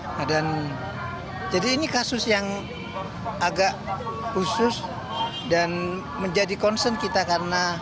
nah dan jadi ini kasus yang agak khusus dan menjadi concern kita karena